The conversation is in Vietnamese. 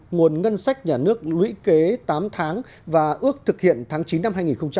nguồn ngân sách nhà nước lũy kế tám tháng và ước thực hiện tháng chín năm hai nghìn hai mươi